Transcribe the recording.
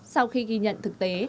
sau khi ghi nhận thực tế